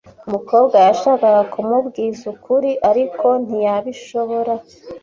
Umukobwa yashakaga kumubwiza ukuri, ariko ntiyabishobora.